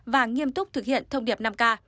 và nghiêm túc thực hiện thông điệp năm k